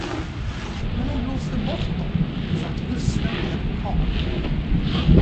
Men hon blåste bort dem, så att ruskan blev kal.